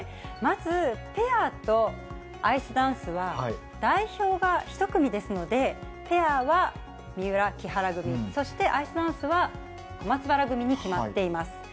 まずペアとアイスダンスは、代表が１組ですので、ペアは三浦・木原組、そしてアイスダンスは小松原組に決まっています。